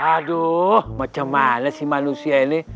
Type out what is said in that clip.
aduh macam mana sih manusia ini